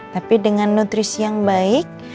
tapi dengan nutrisi yang baik